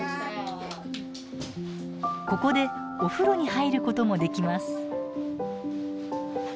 ここでお風呂に入ることもできます。